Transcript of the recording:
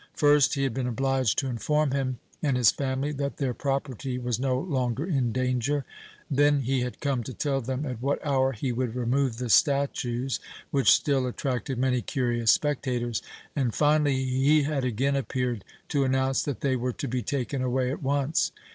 First, he had been obliged to inform him and his family that their property was no longer in danger; then he had come to tell them at what hour he would remove the statues, which still attracted many curious spectators; and, finally, he had again appeared, to announce that they were to be taken away at once.